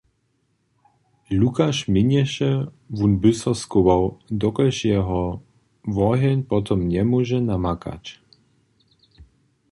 Lukaš měnješe, wón by so schował, dokelž jeho woheń potom njemóže namakać.